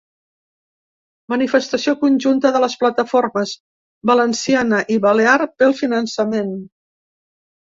Manifestació conjunta de les plataformes valenciana i balear pel finançament.